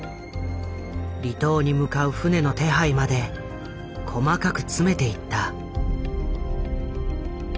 離島に向かう船の手配まで細かく詰めていった。